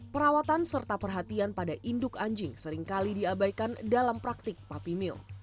perawatan serta perhatian pada induk anjing seringkali diabaikan dalam praktik pupy mill